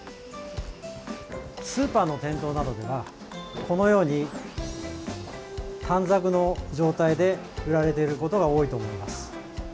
スーパーの店頭などではこのように短冊の状態で売られていることが多いと思います。